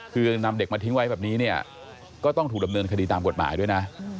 คือนำเด็กมาทิ้งไว้แบบนี้เนี่ยก็ต้องถูกดำเนินคดีตามกฎหมายด้วยนะ